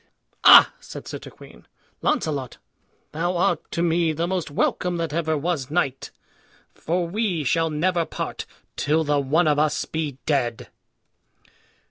"Ah!" said Sir Turquine, "Launcelot, thou art to me the most welcome that ever was knight; for we shall never part till the one of us be dead."